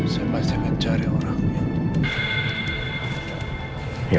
saya pasti akan cari orangnya